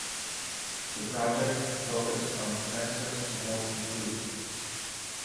The project focused on access to healthy food.